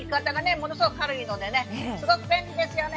ものすごく軽いのでねすごく便利ですよね。